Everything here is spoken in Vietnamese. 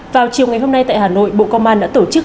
vào chiều ngày hôm nay tại hà nội bộ công an đã tổ chức